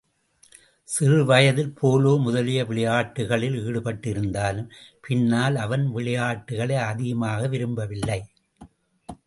சிறுவயதில் போலோ முதலிய விளையாட்டுக்களில் ஈடுபட்டிருந்தாலும், பின்னால் அவன் விளையாட்டுக்களை அதிகமாக விரும்பவில்லை.